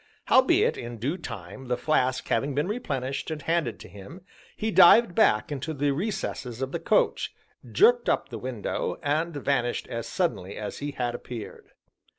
Howbeit, in due time, the flask having been replenished and handed to him, he dived back into the recesses of the coach, jerked up the window, and vanished as suddenly as he had appeared.